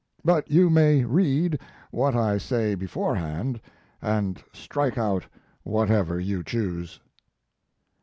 But you may read what I say beforehand, and strike out whatever you choose.